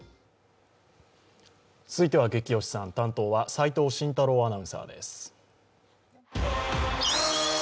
続いては「ゲキ推しさん」担当は齋藤慎太郎アナウンサーです。